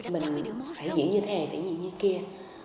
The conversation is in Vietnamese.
mình phải diễn như thế này phải diễn như kia